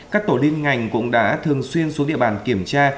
các tổ liên ngành cũng đã thường xuyên xuống địa bàn kiểm tra